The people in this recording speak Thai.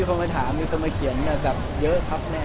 คือจุดที่ฉุกสับกลุ่ม